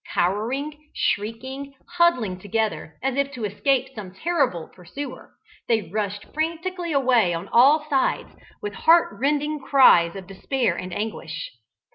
Cowering, shrieking, huddling together as if to escape some terrible pursuer, they rushed frantically away on all sides, with heart rending cries of despair and anguish.